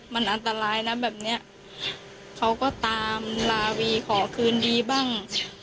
มันอันตรายนะแบบเนี้ยเขาก็ตามลาวีขอคืนดีบ้าง